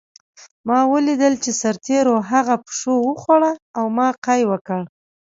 ما ولیدل چې سرتېرو هغه پیشو وخوړه او ما قی وکړ